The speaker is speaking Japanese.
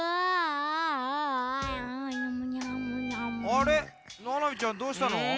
あれななみちゃんどうしたの？